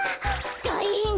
たいへん！